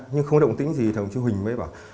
nhưng không thấy động tính gì thì đồng chí huỳnh mới bảo